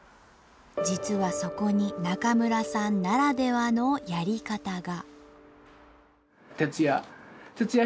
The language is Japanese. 実はそこに中村さんならではのやり方が。